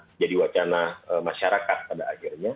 menjadi wacana masyarakat pada akhirnya